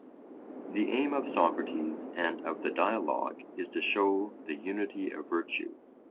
The aim of Socrates, and of the Dialogue, is to show the unity of virtue.